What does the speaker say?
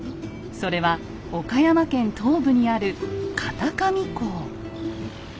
それは岡山県東部にある片上港。